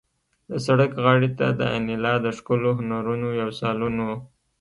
د سړک غاړې ته د انیلا د ښکلو هنرونو یو سالون و